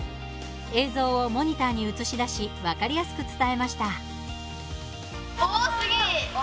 映像をモニターに映し出し分かりやすく伝えました。